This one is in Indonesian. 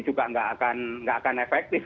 juga tidak akan efektif